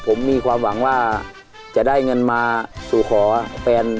ผมมีความหวังว่าจะได้เงินมาสู่ขอแฟน